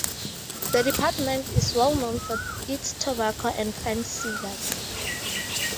The department is well known for its tobacco and fine cigars.